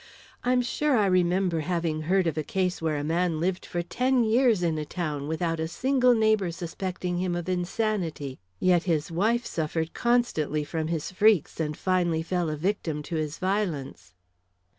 I am sure I remember having heard of a case where a man lived for ten years in a town without a single neighbor suspecting him of insanity; yet his wife suffered constantly from his freaks, and finally fell a victim to his violence."